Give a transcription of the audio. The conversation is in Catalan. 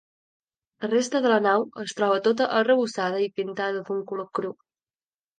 La resta de la nau es troba tota arrebossada i pintada d'un color cru.